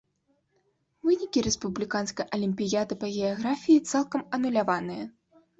Вынікі рэспубліканскай алімпіяды па геаграфіі цалкам ануляваныя.